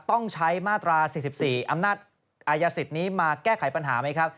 ต้องใช้มาตรา๔๔อำนาจอายสิทธิ์นี้มาแก้ไขปัญหาไหมครับ